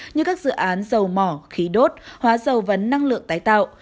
như các dự án dầu mỏ khí đốt hóa dầu và năng lượng tái tạo